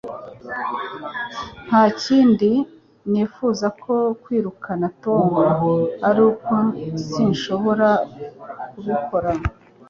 Nta kindi nifuza nko kwirukana Tom, ariko sinshobora kubikora.